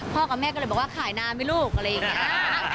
กับแม่ก็เลยบอกว่าขายนานไหมลูกอะไรอย่างนี้